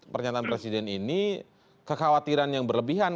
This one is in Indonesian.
pernyataan presiden ini kekhawatiran yang berlebihan